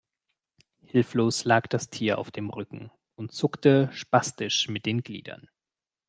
Hilflos lag das Tier auf dem Rücken und zuckte spastisch mit den Gliedern.